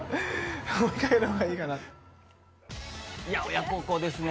親孝行ですね。